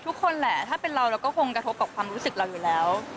ทุกคนแหละถ้าเป็นเราเราก็คงกระทบกับความรู้สึกเราอยู่แล้ว